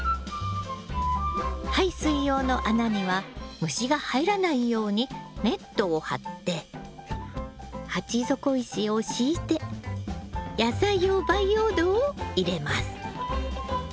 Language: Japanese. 排水用の穴には虫が入らないようにネットをはって鉢底石を敷いて野菜用培養土を入れます。